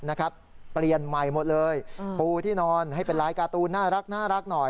นะครับเปลี่ยนใหม่หมดเลยปูที่นอนให้เป็นลายการ์ตูนน่ารักหน่อย